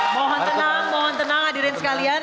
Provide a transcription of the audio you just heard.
mohon tenang mohon tenang hadirin sekalian